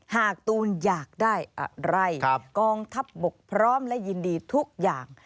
ตูนอยากได้อะไรกองทัพบกพร้อมและยินดีทุกอย่าง